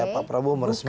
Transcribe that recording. pak prabowo meresmikan